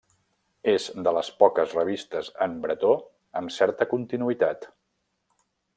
És de les poques revistes en bretó amb certa continuïtat.